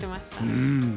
うん！